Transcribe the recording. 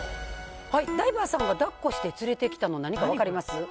ダイバーさんがだっこして連れてきたの、何か分かります？